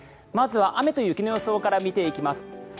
まずは雨と雪の予想から見ていきます。